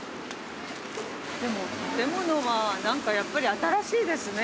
でも建物は何かやっぱり新しいですね